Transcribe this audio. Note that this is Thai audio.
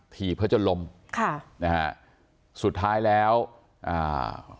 ผีเพื่อจะลมค่ะนะฮะสุดท้ายแล้วอ่า